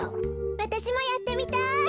わたしもやってみたい。